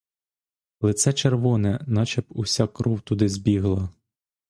Лице червоне, наче б уся кров туди збігла.